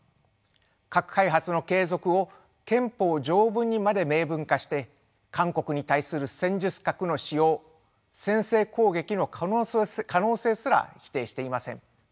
核開発の継続を憲法条文にまで明文化して韓国に対する戦術核の使用先制攻撃の可能性すら否定していません。